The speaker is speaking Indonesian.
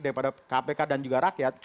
daripada kpk dan juga rakyat